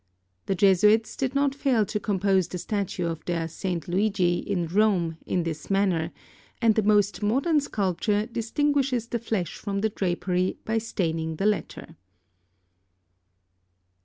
The Jesuits did not fail to compose the statue of their S. Luigi, in Rome, in this manner, and the most modern sculpture distinguishes the flesh from the drapery by staining the latter.